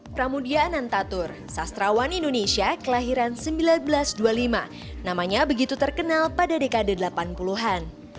pramudia anantatur sastrawan indonesia kelahiran seribu sembilan ratus dua puluh lima namanya begitu terkenal pada dekade delapan puluh an